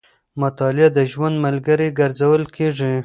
مطالعه د ژوند ملګری ګرځول کېږي.